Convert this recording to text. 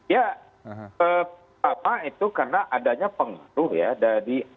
ya pertama itu karena adanya pengaruh ya dari